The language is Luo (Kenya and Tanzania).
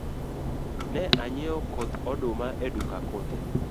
Na nyiewo koth oduma e duka kothe.